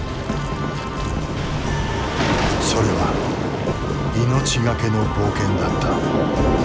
それは命懸けの冒険だった。